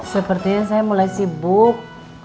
sepertinya saya mulai sibuk